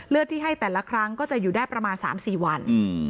ที่ให้แต่ละครั้งก็จะอยู่ได้ประมาณ๓๔วัน